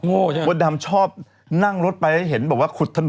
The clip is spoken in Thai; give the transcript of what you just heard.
โง่ใช่มั้ยพอดำชอบนั่งรถไปเห็นบอกว่าขุดถนน